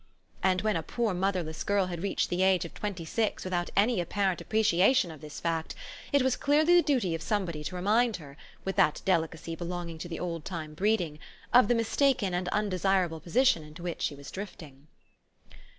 And, when a poor moth erless girl had reached the age of twenty six without any apparent appreciation of this fact, it was clearly the duty of somebody to remind her, with that delicacy belonging to the old time breeding, of the mistaken and undesirable position into which she was drifting.